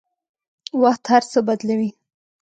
وخت هر څه بدلوي.